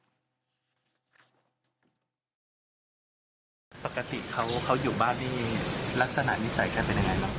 ดูสิปกติเขาอยู่บ้านนี้ลักษณะนิสัยมันเป็นอย่างไร